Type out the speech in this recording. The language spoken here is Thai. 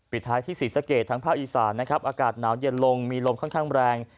ปิดท้ายที่๔สเกตทางภาคอีสานอากาศนาวเย็นลงมีลมค่อนข้างแรง